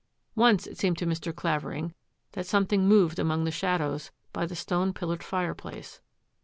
Once it seemed to Mr. Clavering that something moved among the shadows by the stone pillared fireplace.